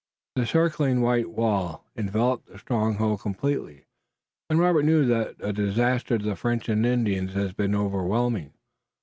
The circling white wall enveloped the stronghold completely, and Robert knew that the disaster to the French and Indians had been overwhelming.